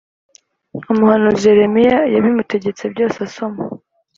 Umuhanuzi yeremiya yabimutegetse byose asoma